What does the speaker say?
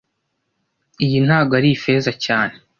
Iyi ntago ari ifeza cyane